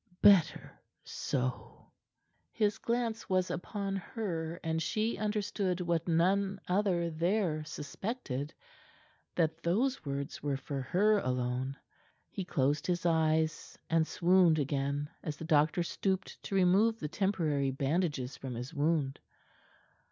"Better so!" His glance was upon her, and she understood what none other there suspected that those words were for her alone. He closed his eyes and swooned again, as the doctor stooped to remove the temporary bandages from his wound.